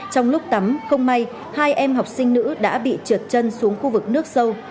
trong lúc tắm không may hai em học sinh nữ đã bị trượt chân xuống khu vực nước sâu